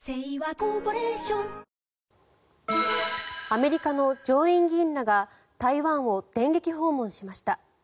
アメリカの上院議員らが台湾を電撃訪問しました。